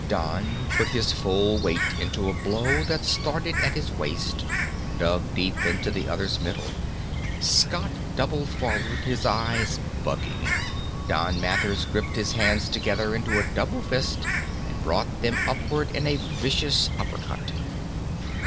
Don put his full weight into a blow that started at his waist, dug deep into the other's middle. Scotty doubled forward, his eyes bugging. Don Mathers gripped his hands together into a double fist and brought them upward in a vicious uppercut.